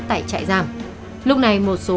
tại chạy giam lúc này một số